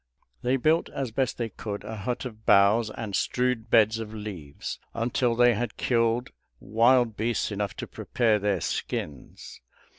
They built as best they could a hut of boughs and strewed beds of leaves, until they had killed wild beasts enough to prepare their skins.